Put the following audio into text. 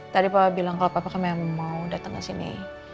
tadi papa bilang kalo papa kan memang mau dateng kesini